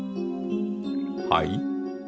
はい？